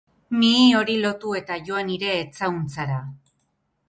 Mihi hori lotu eta joan hire etzauntzara.